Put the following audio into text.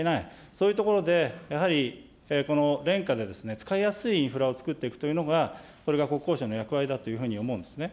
そういうところでやはりこの廉価で使いやすいインフラを作っていくというのが、これが国交省の役割だというふうに思うんですね。